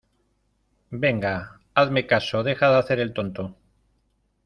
venga, hazme caso. deja de hacer el tonto